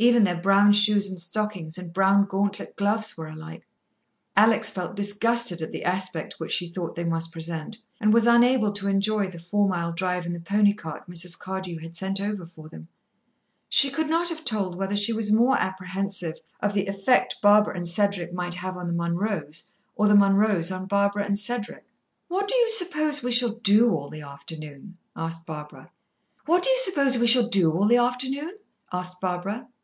Even their brown shoes and stockings and brown gauntlet gloves were alike. Alex felt disgusted at the aspect which she thought they must present, and was unable to enjoy the four mile drive in the pony cart Mrs. Cardew had sent over for them. She could not have told whether she was more apprehensive of the effect Barbara and Cedric might have on the Munroes, or the Munroes on Barbara and Cedric. "What do you suppose we shall do all the afternoon?" asked Barbara.